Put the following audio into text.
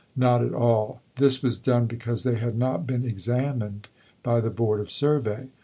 Not at all. "This was done because they had not been examined by the Board of Survey.